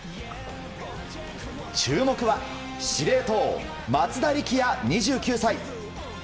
注目は司令塔・松田力也、２９歳。